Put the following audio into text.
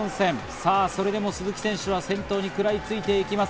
さあ、それでも鈴木選手は先頭にくらいついていきます。